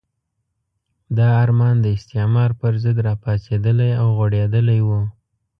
دا ارمان د استعمار پرضد راپاڅېدلی او غوړېدلی وو.